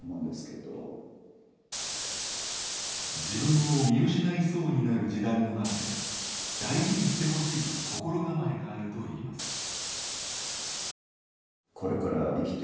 自分を見失いそうになる時代の中で大事にしてほしい心構えがあるといいます。